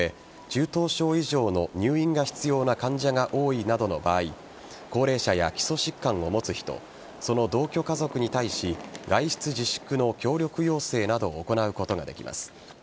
中等症以上の入院が必要な患者が多いなどの場合高齢者や基礎疾患を持つ人その同居家族に対し外出自粛の協力要請などを行うことができます。